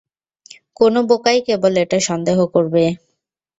কোন বোকাই কেবল এটা সন্দেহ করবে।